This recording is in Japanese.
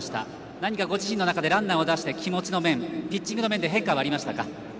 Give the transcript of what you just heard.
何かご自身の中でランナーを出して、気持ちの面ピッチングの面で変化はありましたか？